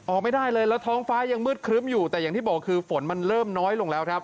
ไม่ได้เลยแล้วท้องฟ้ายังมืดครึ้มอยู่แต่อย่างที่บอกคือฝนมันเริ่มน้อยลงแล้วครับ